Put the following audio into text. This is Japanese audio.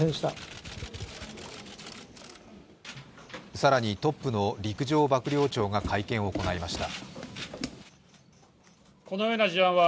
更にトップの陸上幕僚長が会見を行いました。